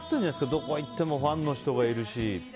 どこに行ってもファンの人がいるし。